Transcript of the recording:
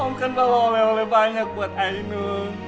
om kan bawa oleh oleh banyak buat ainul